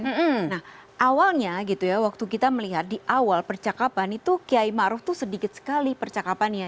nah awalnya gitu ya waktu kita melihat di awal percakapan itu kiai ⁇ maruf ⁇ itu sedikit sekali percakapannya